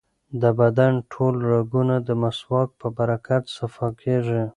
د بدن ټول رګونه د مسواک په برکت صفا کېږي.